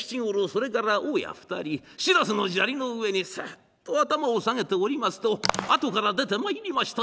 それから大家２人白州の砂利の上にスッと頭を下げておりますとあとから出てまいりました